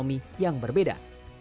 dan memiliki nilai ekonomi yang berbeda